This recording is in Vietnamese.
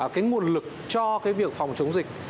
cái nguồn lực cho cái việc phòng chống dịch